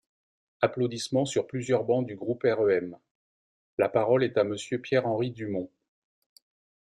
(Applaudissements sur plusieurs bancs du groupe REM.) La parole est à Monsieur Pierre-Henri Dumont.